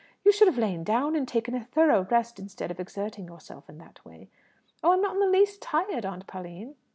You should have lain down and taken a thorough rest instead of exerting yourself in that way." "Oh, I'm not in the least tired, Aunt Pauline."